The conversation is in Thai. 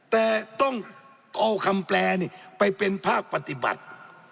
แต่ต้องเอาคำแปลไปเป็นภาคปฏิบัติ